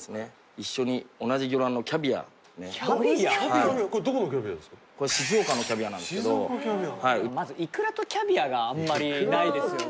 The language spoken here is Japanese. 一緒にキャビアどこのキャビアですかこれ静岡のキャビアなんですけどまずイクラとキャビアがあんまりないですよね